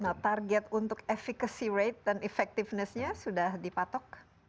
nah target untuk efekasi rate dan efektifnya sudah dipatok